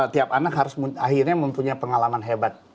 tiap anak harus akhirnya mempunyai pengalaman hebat